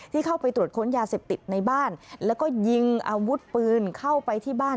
เข้าไปตรวจค้นยาเสพติดในบ้านแล้วก็ยิงอาวุธปืนเข้าไปที่บ้าน